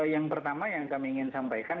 yang pertama yang kami ingin sampaikan